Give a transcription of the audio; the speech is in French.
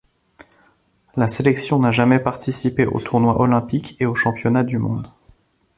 La sélection n'a jamais participé aux tournois olympiques et aux championnats du monde.